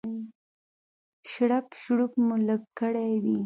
شړپ شړوپ مو لږ کړی وي.